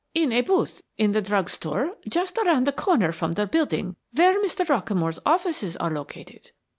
"In a booth in the drug store just around the corner from the building where Mr. Rockamore's offices are located."